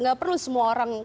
gak perlu semua orang